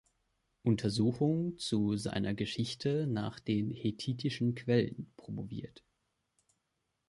Untersuchung zu seiner Geschichte nach den hethitischen Quellen“ promoviert.